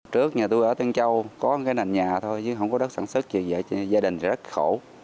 trước nhà tôi ở tuyên châu có cái nền nhà thôi chứ không có đất sản xuất gì gia đình rất khổ